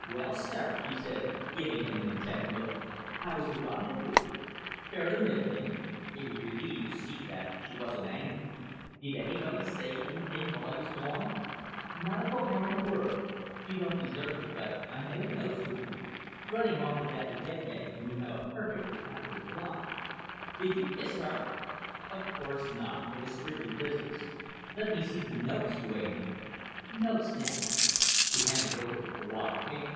"Well, sir," she said, giving him an intent look, "how was the rendezvous?" "Fair to middling." He was relieved to see that she wasn't angry. "Did anybody say anything while I was gone?" "Not a coherent word. You don't deserve it but I made notes for you. Running off with that redhead when you have a perfectly adequate blonde. Did you kiss her?" "Of course not. It was strictly business. Let me see the notes, you angel." "Notes, then." She handed over a wad of paper.